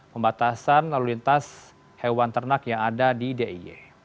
pembatasan lalu lintas hewan ternak yang ada di diy